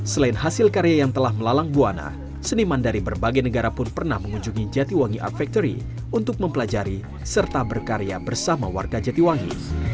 selain hasil karya yang telah melalang buana seniman dari berbagai negara pun pernah mengunjungi jatiwangi art factory untuk mempelajari serta berkarya bersama warga jatiwangi